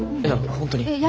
いや本当に。